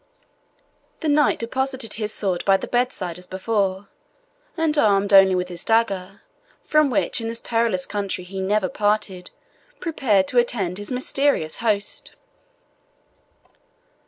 The knight deposited his sword by the bedside as before, and, armed only with his dagger, from which in this perilous country he never parted, prepared to attend his mysterious host.